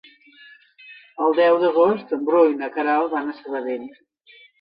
El deu d'agost en Bru i na Queralt van a Sabadell.